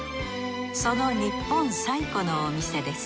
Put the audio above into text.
その日本最古のお店です